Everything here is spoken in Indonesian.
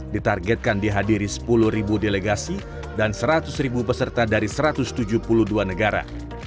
ditargetkan dihadiri sepuluh delegasi dan seratus ribu peserta dari satu ratus tujuh puluh dua negara